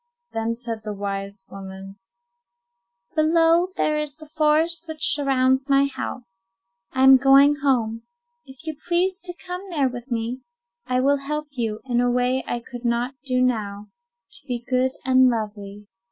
Then said the wise woman:— "Below there is the forest which surrounds my house. I am going home. If you pledge to come there to me, I will help you, in a way I could not do now, to be good and lovely.